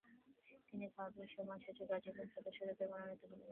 তিনি ক্লাবের সম্মানসূচক আজীবন সদস্যরূপে মনোনীত হন।